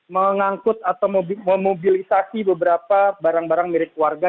mengangkut atau memobilisasi beberapa barang barang milik warga